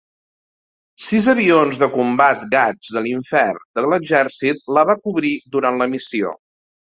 Sis avions de combat gats de l'infern de l'exèrcit la va cobrir durant la missió.